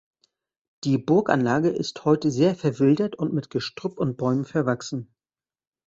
Die Burganlage ist heute sehr verwildert und mit Gestrüpp und Bäumen verwachsen.